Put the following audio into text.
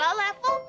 hah nggak level